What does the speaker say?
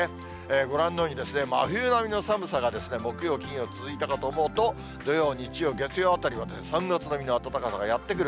ご覧のように、真冬並みの寒さが木曜、金曜、続いたかと思うと、土曜、日曜、月曜あたりは３月並みの暖かさがやって来る。